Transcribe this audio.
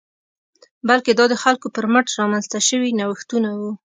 بلکې دا د خلکو پر مټ رامنځته شوي نوښتونه وو